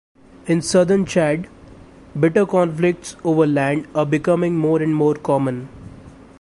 In southern Chad, bitter conflicts over land are becoming more and more common.